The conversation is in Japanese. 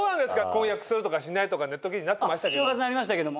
婚約するとかしないとかネット記事になってましたけど。